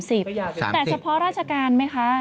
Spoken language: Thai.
แต่เฉพาะราชการไหมคะ